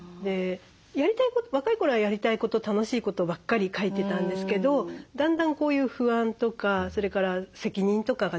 若い頃はやりたいこと楽しいことばっかり書いてたんですけどだんだんこういう不安とかそれから責任とかが出てくる。